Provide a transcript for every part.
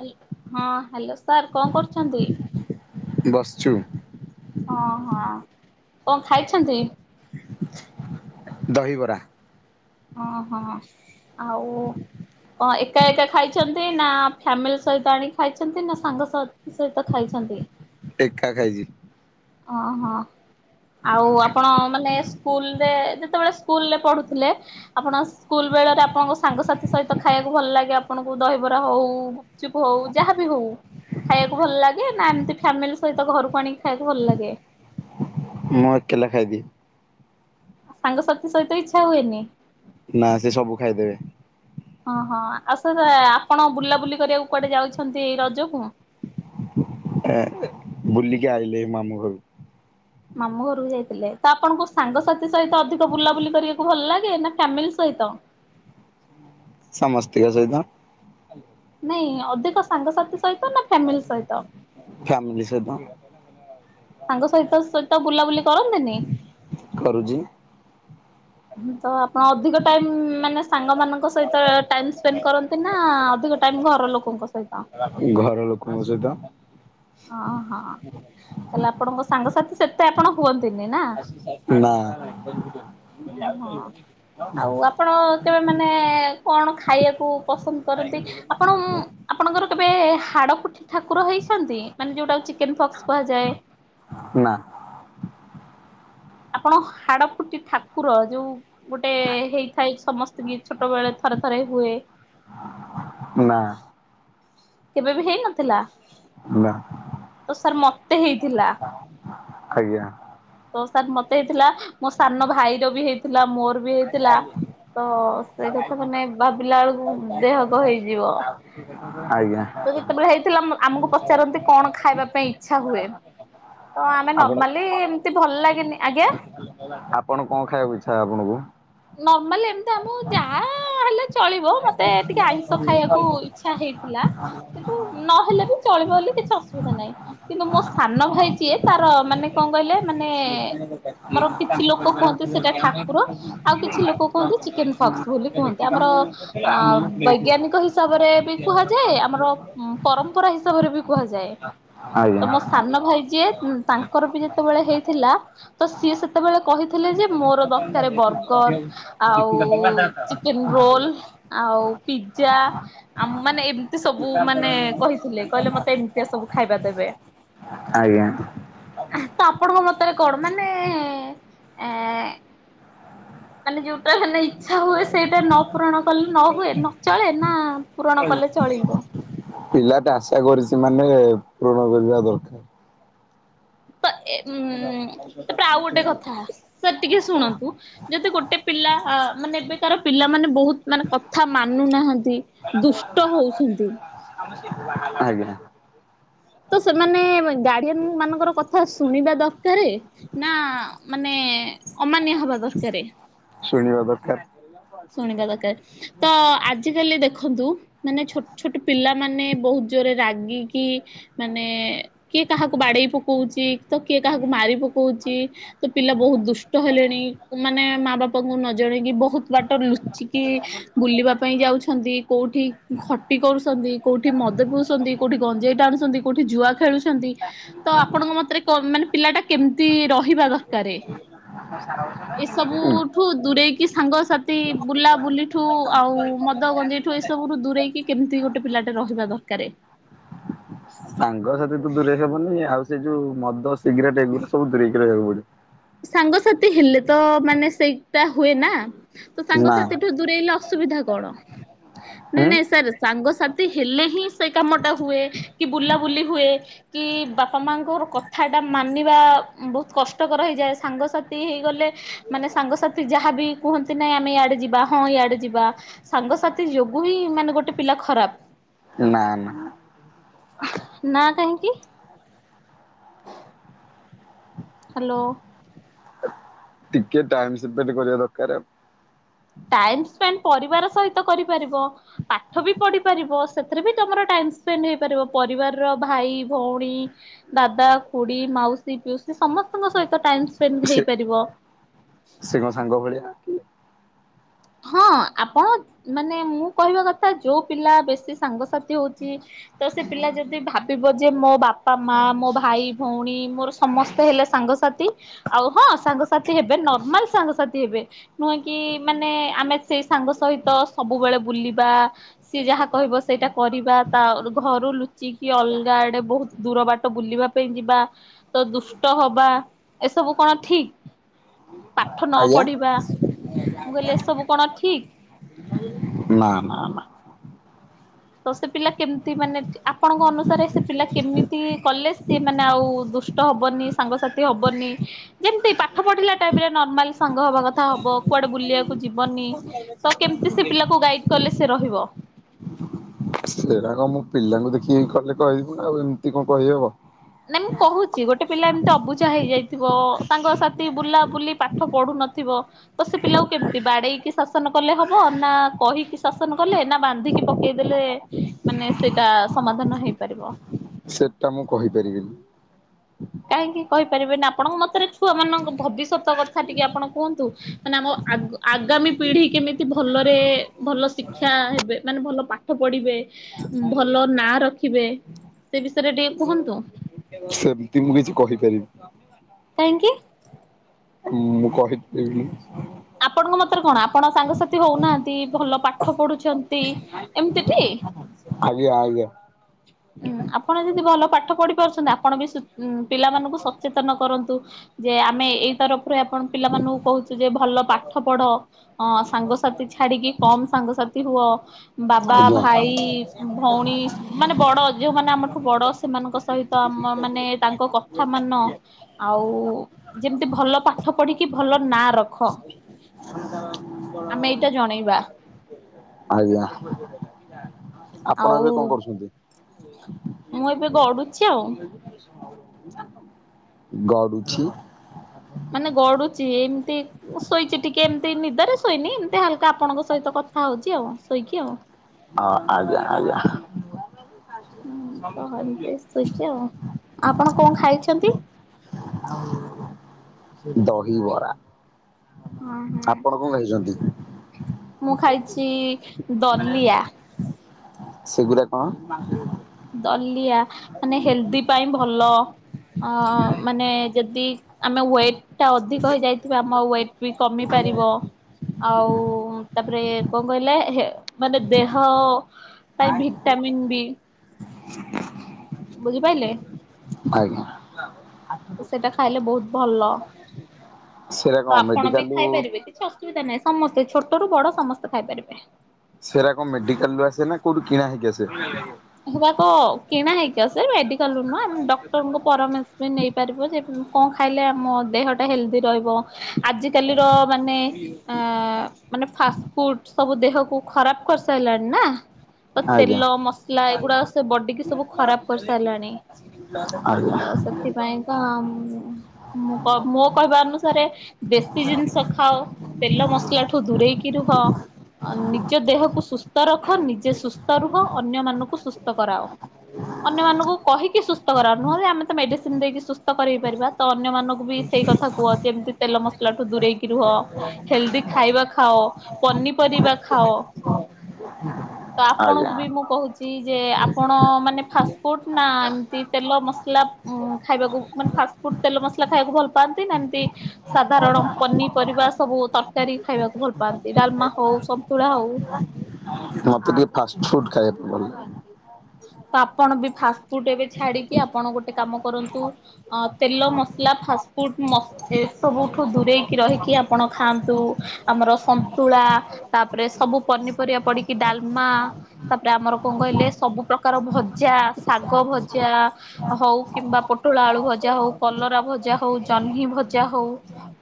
ହେ ହଁ hello sir କଣ କରୁଛନ୍ତି? ବସଛୁ। ଓହୋ କଣ ଖାଇଛନ୍ତି। ଦହିବରା। ଓହୋ ଆଉ। କଁ ଏକା ଏକା ଖାଇଛନ୍ତି ନା ଫ୍ୟାମିଲି ସହିତ ଆଣିକି ଖାଇଛନ୍ତି ନା ସାଙ୍ଗ ସହିତ। ସହିତ ଖାଇଛନ୍ତି। ଏକ ଖା ଖାଇଛି। ଓହୋ ଆଉ ଆପଣ ମାନେ। ସ୍କୁଲରେ ଯେତେବେଳେ ସ୍କୁଲରେ ପଢ଼ୁଥିଲେ। ଆପଣ ସ୍କୁଲ ବେଳରେ ଆପଣଙ୍କ ସାଙ୍ଗସାଥି ସହିତ ଖାଇବାକୁ ଭଲ ଲାଗେ ଆପଣଙ୍କୁ ଦହିବରା ହଉ। ଚୁପ ହଉ ଯାହାବି ହଉ। ଖାଇବାକୁ ଭଲ ଲାଗେ ନା ଏମିତି ଫ୍ୟାମିଲି ସହିତ ଘରକୁ ଆଣିକି ଖାଇବାକୁ ଭଲ ଲାଗେ। ମଁ କେଲାଖାଇ ଦିଏ। ସାଙ୍ଗସାଥି ସହିତ ଇଚ୍ଛା ହୁଏନି। ନା ସେ ସବୁ ଖାଇଦେବେ। ଓହଁ ଆଉ ସାର ଆପଣ ବୁଲାବୁଲି କରିବାକୁ କୁଆଡେ ଯାଉଛନ୍ତି ରଜକୁ। ଏ ବୁଲିକି ଆଇିଲି ମାମୁଁ ଘରୁ। ମାମୁଁ ଘରକୁ ଯାଇଥିଲେ ତ ଆପଣଙ୍କ ସାଙ୍ଗସାଥି ସହିତ ଅଧିକ ବୁଲାବୁଲି କରିବାକୁ ଭଲ ଲାଗେ ନା ଫ୍ୟାମିଲି ସହିତ। ସମସ୍ତଙ୍କ ସହିତ। ନାଇଁ ଅଧିକ ସାଙ୍ଗସାଥି ସହିତ ନା ଫ୍ୟାମିଲି ସହିତ। ଫ୍ୟାମିଲି ସହିତ। ସାଙ୍ଗ ସହିତ ତ ବୁଲାବୁଲି କରନ୍ତିନି। କରୁଛି। ହଁ ତ। ଅଧିକ ଟାଇମ ମାନେ ସାଙ୍ଗମାନଙ୍କ ସହିତ ଟାଇମ୍ ସ୍ପେଣ୍ଡ କରନ୍ତି ନା ଅଧିକ ଟାଇମ୍ ଘର ଲୋକଙ୍କ ସୋ। ଘର ଲୋକଙ୍କ ସହିତ। ଓହଁ ତାହଲେ ଆପଣଙ୍କ ସାଙ୍ଗସାଥି ସେତେ ଆପଣ ହୁଅନ୍ତିନି ନା? ଓହୋ ନା ଆଉ ଆପଣ କେବେ ମାନେ କଣ ଖାଇବାକୁ ପସନ୍ଦ କରନ୍ତି ଆପଣ ଆପଣଙ୍କର କେବେ ହାଡ଼ଫୁଟି ଠାକୁର ହେଇଛନ୍ତି ମାନେ ଯେଉଁଟା ଚିକେନ ଫକ୍ସ କୁହାଯାଏ। ନା। ଆପଣ ହାଡ ଫୁଟି ଠାକୁର ଯୋଉ ଗୋଟେ ହେଇଥାଏ ସମସ୍ତେ ବି ଛୋଟ ବେଳେ ଥରେ ଥରେ ହୁଏ। ନା। କେବେ ବି ହେଇନଥିଲା ନା ତ ସାର୍ ମତେ ହେଇଥିଲା। ଆଜ୍ଞା। ତ ସାର୍ ମତେ ହେଇଥିଲା, ମୋ ସାନ ଭାଇର ବି ହେଇଥିଲା। ମୋର ବି ହେଇଥିଲା, ତ ସେ କଥା ମାନେ ଭାବିଲା ଅଳକୁ ଦେହ କଣ ହେଇଯିବ? ଆଜ୍ଞା। ତ ଯେତେବେଳେ ହେଇଥିଲା, ମ ଆମକୁ ପଚାରନ୍ତି, କଣ ଖାଇବା ପାଇଁ ଇଚ୍ଛା ହୁଏ? ତ ଆମେ ଆପଣ ନର୍ମାଲି ଏମିତି ଭଲ ଲାଗେନି, ଆଗ୍ୟା! ଆପଣ କଣ ଖାଇବାକୁ ଇଚ୍ଛା ହବ ହବ। ନର୍ମାଲ ଏମିତି ଆମକୁ ଯାହା ହେଲେ ଚ ଚଳିବ ମତେ ଟିକେ ଆଇଁଷ ଖାଇଆକୁ ଇଚ୍ଛା ହେଇଥିଲା, କିନ୍ତୁ ନହେଲେ ବି ଚଳିବ ବଲି କିଛି ଅସୁ ଅସୁବିଧା ନାହିଁ। କିନ୍ତୁ ମୋ ସାନ ଭାଇ ଯିଏ, ତାର ମାନେ କଣ କହିଲେ ମାନେ-ଏ ଆମର କିଛି ଲୋକ କୁହନ୍ତି, ସେଇଟା ଠାକୁର ଆଉ କିଛି ଲୋକ କୁହନ୍ତି, ଚିକେନ ଫକ୍ସ ବୋଲି କୁହନ୍ତି। ଆମର ଅଁ ବୈଜ୍ଞାନିକ ହିସାବରେ ବି କୁହାଯାଏ। ଆମର ପରମ୍ପରା ହିସାବରେ ବି କୁହାଯାଏ। ଆଜ୍ଞା ତ ମୋ ସାନ ଭାଇ ଯିଏ, ତାଙ୍କର ବି ଯେତେବେଳେ ହେଇଥିଲା। ତ ସିଏ ସେତ୍ ସେତେବେଳେ କହିଥିଲେ ଯେ, ମୋର ଦରକାର ବର୍ଗର, ଆଉ-ଉ ଚିକେନ୍ ରୋଲ୍, ଆଉ ପିଜ୍ଜା ଆମ ମାନେ ଏମିତି ସବୁ ମାନେ କହିଥିଲେ, କହିଲେ ମତେ ଏମିତିଆ ସବୁ ଖାଇବା ଦେବେ। ଆଜ୍ଞା। ତ ଆପଣଙ୍କ ମତରେ କଣ? ମାନେ ଏ-ଏଁ ମାନେ ଯେଉଁଟା ମାନେ ଇଚ୍ଛା ହୁଏ, ସେଇଟା ନ ପୂରଣ କଲେ ନ ହୁଏ, ନ ଚଳେ! ନା, ପୂରଣ କଲେ ଚଳିବ। ପିଲାଟା ଆଶା କରିଛି ମାନେ, ପୂରଣ କରିବା ଦରକାର। ତ ଏ ଉଁ [unintelligible] ସେତିକି ଶୁଣନ୍ତୁ। ଯଦି ଗୋଟେ ପିଲା-ଆ ମାନେ, ଏବେକାର ପିଲା ମାନେ ବହୁତ ମାନେ, କଥା ମାନୁନାହାଁନ୍ତି। ଦୁଷ୍ଟ ହଉସନ୍ତି। ଆଜ୍ଞା। ତ, ସେମାନେ-ଏ ଗାଢିଏନ୍ ମାନଙ୍କର କଥା ଶୁଣିବା ଦରକାରେ ନାଁ, ମାନେ ଅମାନୀୟା ହବା ଦରକାରେ। ଶୁଣିବା ଦରକାର। ଶୁଣିବା ଦରକାର। ତ ଆଜିକାଲି ଦେଖନ୍ତୁ ମାନେ ଛୋଟ ଛୋଟ ପିଲାମାନେ ବହୁତ ଜୋରେ ରାଗିକି ମାନେ କିଏ କାହାକୁ ବାଡେଇ ପକଉଚି? ତ, କିଏ କାହାକୁ ମାରି ପକଉଚି? ତ, ପିଲା ବହୁତ ଦୁଷ୍ଟ ହେଲେଣି। ମାନେ, ମା ବାପାଙ୍କୁ ନ ଜଣେଇକି ବ ବାଟ ଲୁଚିକି ବୁଲିବା ପାଇଁ ଯାଉଛନ୍ତି, କୋଉଠି ଖଟି କରୁସନ୍ତି। କୋଉଠି ମଦ ପିଉସନ୍ତି, କୋଉଠି ଗଞ୍ଜେଇ ଟାଣୁସନ୍ତି, କୋଉଠି ଜୁଆ ଖେଳୁଛ ଚନ୍ତି। ତ ଆପଣଙ୍କ ମତରେ କ ମାନେ, ପିଲା ଟା କେମିତି ରହିବା ଦରକାରେ? ଏ ସବୁଠୁ ଦୂରେଇକି ସାଙ୍ଗସାଥ୍ ତି ବୁଲା ବୁଲିଠୁ ଆଉ ମଦ, ଗଞ୍ଜେଇଠୁ ଏ ସବୁଠୁ ଦୂରେଇକି କେମିତି ଗୋଟେ ପିଲାଟେ ରହିବା ଦରକାରେ। ସାଙ୍ଗସାଥିଠୁ ଦୂରେଇ ହବନି। ଆଉ ସେ ଯୋଉ ମଦ ସେ ସିଗ୍ରେଟ୍ ଏଗୁରା ସବୁୂ ଦୂରେଇକି ରହିବାକୁ ପଡିବ। ସାଙ୍ଗସାଥି ହେଲେ ତ, ମାନେ ସେଇଟା ହୁଏ ନା! ତ ନା ସାଙ୍ଗସାଥିଠୁ ଦୂରେଇଲେ ଅସୁବିଧା କଣ? ନାଇଁ ହୁଁ ନାଇଁ ସାର୍ ସାଙ୍ଗସାଥି ହେଲେ ହିଁ, ସେ କାମଟା ହୁଏ। କି ବୁଲାବୁଲି ହୁଏ? କି-ଇ ବାପା ମାଆଙ୍କର କଥାଟା ମାନିବା ବହୁତ କଷ୍ଟ। ଙ୍କ ର ହେଇଯାଏ। ସାଙ୍ଗସାଥି ହେଇଗଲେ ମାନେ ସାଙ୍ଗସାଥି ଯାହାବି କୁହନ୍ତି ନାଇ ଆମେ ଇଆଡେ ଯିବା ହଁ ଇଆଡେ ଯିବା। ସାଙ୍ଗସାଥି ଯୋଗୁ ହିଁ ମାନେ ଗୋଟେ ପିଲା ଖରାପ୍। ନା ନା। ନା କାହିଁକି? ହାଲୋ। ଟିକେ ଟାଇମ୍ ସେପେଣ୍ଡ କରିବା ଦରକାର। ଟାଇମ ସ୍ପେଣ୍ଡ ପରିବାର ସହିତ କରିପାରିବ। ପାଠ ବି ପଢି ପାରିବ ସେଥିରେ ବି ତମର ଟାଇମ୍ ସ୍ପେଣ୍ଡ ହେଇପାରିବ ପରିବାର୍ର ଭାଇ ଭୋଉଣୀ ଦାଦା ଖୁଡି ମାଉସୀ ପିଉସୀ ସମସ୍ତଙ୍କ ସହିତ ଟାଇମ୍ ସ୍ପେଣ୍ଡ ସେ ହେଇପାରିବ। ସେ କଣ ସାଙ୍ଗ ଭଳିଆ ନା ହଁ ଆପଣ ମାନେ ମୁଁ କହିବା କଥା ଯୋଉ ପିଲା ବେଶୀ ସାଙ୍ଗସାଥି ହଉଛି। ତ ସେ ପିଲା ଯଦି ଭାବିବ ଯେ ମୋ ବାପା ମା ମୋ ଭାଇ, ଭୋଉଣୀ ମୋର ସମସ୍ତେ ହେଲେ ସାଙ୍ଗସାଥି ଆଉ ହଁ ସାଙ୍ଗସାଥି ହେବେ ନର୍ମାଲ ସାଙ୍ଗସାଥି। ସିଏହେବେ ନୁହେଁ କି ମାନେ ଆମେ ସେଇ ସାଙ୍ଗ ସହିତ ସବୁବେଳେ ବୁଲିବା। ସିଏ ଯାହା କହିବ ସେଇଟା କରିବା ତା ଘରୁ ଲୁଚିକି ଅଲ୍ଗା ଆଡେ ବୋହୁତ୍ ଦୂର ବାଟ ବୁଲିବା। ପାଇଁ ଯିବା ତ ଦୁଷ୍ଟ ହବା ଏସବୁ କଣ ଠିକ୍? ପାଠ ନ ଆଜ୍ଞା ପଢିବା ମୁଁ କହିଲି ଏସବୁ କଣ ଠିକ୍? ମା ମା ମା। ତ ସେ ପିଲା କେମ୍ତି ମାନେ ଆପଣଙ୍କ ଅନୁସାରେ ସେ ପିଲା କେମିତି କଲେ ସିଏ ମାନେ ଆଉ ଦୁ ଷ୍ଟ ହବନି ସାଙ୍ଗସାଥି ହବନି। ଯେମ୍ତି ପାଠ ପଢିଲା ଟାଇମ୍ ରେ ନର୍ମାଲ ସାଙ୍ଗ ହବା କଥା ହବ କୁଆଡେ ବୁଲିବା କୁ ଯିବନି ତ କେମ୍ତି ସେ ପିଲାକୁ ଗାଇଡ୍ କଲେ ସେ ରହିବ। ସେରାକ ମୁଁ ପିଲାଙ୍କୁ ଦେଖିକି କଲେ କହିବୁ ନାଁ ଆଉ ଏମ୍ତି କଣ କହିହବ। ନା ମୁଁ କହୁ ଚି ଗୋଟେ ପିଲା ଏମ୍ତି ଅବୁଝା ହେଇଯାଇଥିବ ସାଙ୍ଗ ସାଥି ବୁଲା ବୁଲି ପାଠ ପଢୁ ନଥିବ। ତ ସେ ପିଲାକୁ କେମ୍ତି ବାଡେଇକି ଶାସନ କଲେ ହବ ନା କହିକି ଶାସନ କଲେ ନା ବାନ୍ଧିକି ପ କେଇଦେଲେ ମାନେ ସେଇଟା ସମାଧାନ ହେଇପାରିବ। ସେଟା ମୁଁ କହିପାରିବିନି। କାହିଁକି କହିପାରିବେନି ଆପଣଙ୍କ ମତରେ ଛୁଆମାନାନଙ୍କ ଭବିଷ୍ୟତ କଥା ଟିକେ ଆପଣ କୁହନ୍ତୁ? ମାନେ ଆମ ଆଗ ଆଗାମୀ ପିଢି କେମିତି ଭଲରେ ଭଲ ଶିକ୍ଷା ହେବେ। ମାନେ ଭଲ ପାଠ ଠ ପଢିବେ ଭଲ ନା ରଖିବେ ସେ ବିଷୟରେ ଟିକେ କୁହନ୍ତୁ? ସେମ୍ତି ମୁଁ କିଛି କହି ପାରି କାହିଁକି। ମୁଁ କହି ଦେବି ଆପଣଙ୍କ ମତରେ କଣ ଆପଣ ସାଙ୍ଗସାଥି ହଉନାହାନ୍ତି ଭଲ ପାଠ ପଢୁଛନ୍ତି ଏମ୍ତି ଟି। ଆଜ୍ଞା ଆଜ୍ଞା। ଉୁଁ ଆପଣ ଯଦି ଭଲ ପାଠ ପଢି ପାରୁଛନ୍ତି ଆପଣ ବିଁ ପିଲାମାନଙ୍କୁ ସ ସଚେତନ କରନ୍ତୁ ଯେ ଆମେ ଏଇ ତରଫରୁ ଆପଣ ପିଲାମାନଙ୍କୁ କହୁଛୁ ଯେ ଭଲ ପାଠ ପଢ। ଅ ସାଙ୍ଗସାଥି ଛାଡ଼ିକି କମ୍ ସାଙ୍ଗସାଥି ହୁଅ ବାବା ଭାଇ ଭଉଣୀ ମାନେ ବଡ଼ ଯୋଉମାନେ ଆମଠୁ ବଡ଼ ସେମାନଙ୍କ ସହିତ ଆମ ମାନେ ତାଙ୍କ କଥା ମାନ। ଆଉ ଯେମ୍ତି ଭଲ ପାଠ ପଢିକି ଭଲ ନାଁ ର ଖ ଆମେ ଏଇଟା ଜଣେଇବା। ଆଜ୍ଞା ଆପଣ ଆଉ ଏବେ କଁ କରୁଛନ୍ତି। ମୁଁ ଏବେ ଗଡୁଛି ଆଉ। [inaudible] ଗଡୁଛି। ମାନେ ଗଡ଼ୁଛି ଏମିତି ମୁଁ ଶୋଇଛି ଟିକେ ଏମତି ନିଦରେ ଶୋଇନି ଏମିତି ହାଲକା ଆପଣଙ୍କ ସହିତ କଥା ହଉଛି ଆଉ ଶୋଇକି ଆଉ। ହ ଆଜ୍ଞା ଆଜ୍ଞା। ହୁଁ କହନ୍ତି ଶୋଇଛି ଆଉ ଆପଣ କଣ ଖାଇଛନ୍ତି? ଆଉ ଦହି ବରା। ଓଁ ହଁ ଖାଇଛନ୍ତି? ମୁଁ ଖାଇଛି ଦଲିଆ। ସେଗୁରା କଣ? ଦଲିଆ ମାନେ ହେଲ୍ଦି ପାଇଁ ଭଲ। ଅ ମାନେ ଯଦି ଆମେ ୱେଟ ଟା ଅଧିକ ହେଇଯାଇଥିବା ଆମ ଆଉ ୱେଟ ବି କମି ପାରିବ। ଆଉ ତାପରେ କଣ କହିଲେ ହେ ମାନେ ଦେହ ପାଇଁ ଭିଟାମନ୍ ବି। ବୁଝିପାଇଲେ? ଆଜ୍ଞା। ତ ସେଇଟା ଖାଇଲେ ବହୁତ ଭଲ। ସେରା ତ କଣ ଆପଣ ବି ମେଡିକାଲରୁ ଖାଇପାରିବେ କିଛି ଅସୁବିଧା ନାହିଁ ସମସ୍ତେ ଛୋଟରୁୁ ବଡ଼ ସମସ୍ତେ ଖାଇପାରିବେ। ସେରା କଣ ମେଡିକାଲ୍ ରୁ ଆସେ ନା କୋଉଠୁ କିଣା ହେଇକି ଆସେ। ହେରାକ କିଣା ହେଇକି ଆସେ ମେଡିକାଲ୍ରୁ ନୁହଁ ଆମେ ଡ଼କ୍ଟର ପରାମର୍ଶ ବି ନେଇ ପାରିବ ଯେ କଣ ଖାଇଲେ ଆମ ଦେହଟା ହେଲ୍ଦି ରହିବ। ଆଜିକାଲିର ମାନେ ମାନେ ଫାଷ୍ଟଫୁଡ଼ ସବୁ ଦେହକୁ ଖରାପ କରିସାରିଲାଣି ନାଁ ତ ଆଜ୍ଞା। ତେଲ ମସ ଲା ଏଗୁଡ଼ା ସେ ବଡିିକୁ ସବୁ ଖରାପ୍ କରିସାରିଲାଣି। ଆଜ୍ଞା। ତ ସେଥିପାଇଁ ତ ମୁଁ ମୋ କହିବା ଅନୁସାରେ ବେଶୀ ଜିନିଷ ଖାଅ ତେଲ ମସଲା ଠୁ ଦୂରେଇକି ରୁହ ନିଜ ଦେହକୁ ସୁସ୍ଥ ରଖ ନିଜେ ସୁସ୍ଥ ରୁହ ଅ ଅନ୍ୟମାନଙ୍କୁ ସୁସ୍ଥ କରାଅ ଅନ୍ୟମାନଙ୍କୁ କହିିକି ସୁ ସୁସ୍ଥ କରାଅ ନୁହଁବି ଆମେ ତ ମେଡ଼ିସିନ୍ ଦେଇକି ସୁସ୍ଥ କରାଇ ପାରିବା ତ ଅନ୍ୟମାନଙ୍କୁ ବି ସେଇ କଥା କୁହ ଯେମତି ତେଲ ମସଲା ଠୁ ଦୂରେଇକି ରୁହ। ହେଲ୍ଦି ଖାଇବା ଖାଅ ପନିପରିବା ଖାଅ। ତ ଆଜ୍ଞା ଆପଣଙ୍କୁ ବି ମୁଁ କହୁଚି ଯେ ଆପଣ ମାନେ ଫାଷ୍ଟ ଫୁଟ୍ ନା ଏମିତି ତେଲ ମସଲା ଖାଇବାକୁ ମାନେ ଫାଷ୍ଟ୍ ଫୁଟ୍ ତେଲ ମସଲା ଖାଇବାକୁ ଭଲ ପାଆନ୍ତି ନା ଏମିତି ସାଧାରଣ ପନିପରିବା ସବୁ ତରକାରୀ ଖାଇବାକୁ ଭଲ ପାଆନ୍ତି ଡ଼ାଲମା ହଉ ସନ୍ତୁଳା ହଉ। ମତେ ଟିକେ ଫାଷ୍ଟ ଫୁଡ୍ ଖାଇବାକୁ ଭଲ ଲାଗେ। ତ ଆପଣ ବି ଫାଷ୍ଟ ଫୁଡ ଏବେ ଛାଡିକି ଆପଣ ଗୋଟେ କାମ କରନ୍ତୁ ଅ ତେଲ ମସଲା ଫାଷ୍ଟ ଫୁଡ୍ ମ ଏସବୁଠୁ ଦୂରେଇକି ରହିକି ଆପଣ ଖାଆନ୍ତୁ ଆମର ସନ୍ତୁଳା ତାପରେ ସବୁ ପନିପରିବା ପଡିକି ଡାଲମା ତାପରେ ଆମର କଣ କହିଲେ ସବୁ ପ୍ରକାର ଭଜା ଶାଗ ଭଜା ହଉ କିମ୍ବା ପୋଟଳ ଆଳୁ ଭଜା ହଉ କଲରା ଭଜା ହଉ ଜହ୍ନି ଭଜା ହଉ।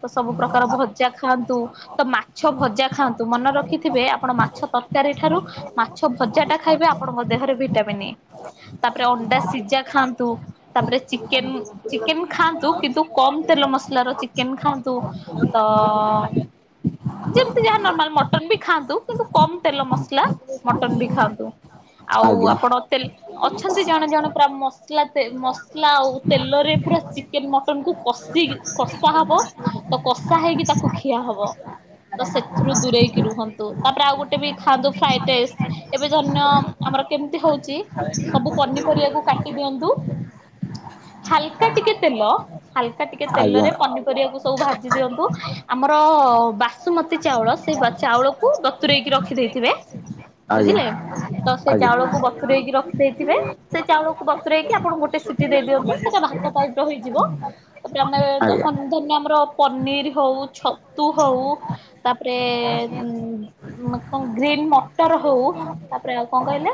ତ ସବୁ ପ୍ରକାର ଭଜା ଖାଆନ୍ତୁ। ତ ମାଛ ଭଜା ଖାଆନ୍ତୁ ମନେ ରଖିଥିବେ ଆପଣ ମାଛ ତରକାରୀ ଠାରୁ ମାଛ ଭଜା ଟା ଖାଇବେ ଆପଣଙ୍କ ଦେହରେ ଭିଟାମନ୍ ତାପରେ ଅଣ୍ଡା ସିଝା ଖାଆନ୍ତୁ। ତାପରେ ଚିକେନ ଚିକେନ ଖାଆନ୍ତୁ କିନ୍ତୁ କମ ତେଲ ମସଲା ର ଚିକେନ ଖାଆନ୍ତୁ। ତ ଅ। ଯେମତି ଯାହା ନର୍ମାଲ ମଟନ୍ ବି ଖାଆନ୍ତୁ କିନ୍ତୁ କମ ତେଲ ମସଲା ମଟନ୍ ବି ଖାଆନ୍ତୁ। ଆଉ ଆଜ୍ଞା ଆପଣ ତେଲ୍ ଅଛନ୍ତି ଜଣେ ଜଣେ ପୁରା ମସଲା ତେଲ୍ ମସଲା ଆଉ ତେଲରେ ପୁରା ଚିକେନ ମଟନ କୁ କଷିିକି କଷା ହବ ତ କଷା ହେଇକି ତାକୁ ଖିଆ ହବ। ତ ସେଥିରୁ ଦୂରେଇକି ରୁହନ୍ତୁ ତାପରେ ଆଉ ଗୋଟେ ବି ଖାଆନ୍ତୁ ଫ୍ରାଇଡ ରାଇସ୍। ଏବେ ଧରିନିଅ ଆମର କେମିତି ହଉଛି ସବୁ ପନିପରିବାକୁ କାଟି ଦିଅନ୍ତୁ। ହାଲକା ଟିକେ ତେଲ ହାଲକା ଟିକେ ଆଜ୍ଞା ତେଲରେ ପନି ପରିବାକୁ ସବୁ ଭାଜି ଦିଅନ୍ତୁ ଆମର ବାସୁମତୀ ଚାଉଳ ସେଇ ବା ଚାଉଳ କୁ [inaudible] ଆଜ୍ଞା ବୁଝିଲେ ତ ଆଜ୍ଞା। ସେ ଆଜ୍ଞା ଚାଉଳକୁ ବ ରଖିଦେଇଥିବେ ସେ ଚାଉଳକୁ ବତୁରେଇକି ଆପଣ ଗୋଟେ ସିଟି ଦେଇ ଦିଅନ୍ତୁ ସେଇଟା ଭାତ ପାଇଁ ରହିଯିବ। ଜମାରେ ଜ ଆଜ୍ଞା ଧନ୍ ଧର୍ ନିଅ ଆମର ପନିର ହଉ ଛତୁ ହଉ। ତାପରେ ଉଁ କଣ ଗ୍ରୀନ୍ ମଟର ହଉ ତାପରେ ଆଉ କଣ କହିଲେ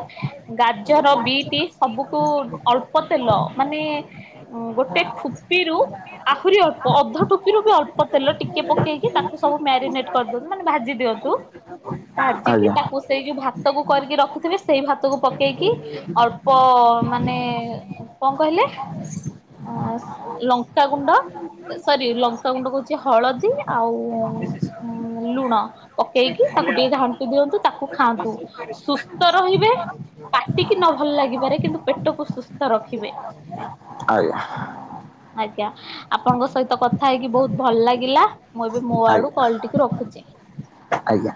ଗାଜର ବିଟି ସବୁକୁ ଅଳ୍ପ ତେଲ ମାନେ ଉଁ ଗୋଟେ ଠୁପିରୁ ଆହୁରି ଅଳ୍ପ ଅଧ ଟୋପିରୁ ବି ଅଳ୍ପ ତେଲ ଟିକେ ପକେଇକି ତାକୁ ସବୁ ମ୍ୟାରିନେଟ କରିଦିଅନ୍ତୁ ମାନେ ଭାଜି ଦିଅନ୍ତୁ। ଭାଜିକି ତାକୁ ସେଇ ଯୋଉ ଭାତ କୁ କରିକି ରଖିଥିବେ ସେଇ ଭାତକୁ ପକ୍ ପକେଇକି ଅଳ୍ପ ମାନେ କଣ କହିଲେ ଅ ଲଙ୍କାଗୁଣ୍ଡ ସରି ଲଙ୍କାଗୁଣ୍ଡ କହୁଛି ହଳଦୀ ଆଉ ଉଁ ଲୁଣ ପକେଇକି ତାକୁ ଟିକେ ଘାଣ୍ଟି ଦିଅନ୍ତୁ ତାକୁ ଖାଆନ୍ତୁ। ସୁସ୍ଥ ରହିବେ ପାଟିକି ନ ଭଲ ଲାଗିପାରେ କିନ୍ତୁ ପେଟକୁ ସୁସ୍ଥ ରଖିବେ। ଆଜ୍ଞା। ଆଜ୍ଞା। ଆପଣଙ୍କ ସହିତ କଥା ହେଇକି ବହୁତ ଭଲ ଲାଗିଲା ମୁଁ ଏବେ ମୋ ଆଜ୍ଞା ଆଡୁ କଲ ଟିକୁ ରଖୁଛି। ଆଜ୍ଞା।